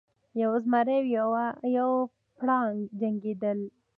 یو زمری او یو پړانګ جنګیدل.